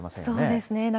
そうですね。